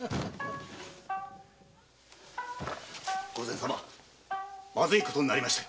御前様まずい事になりました。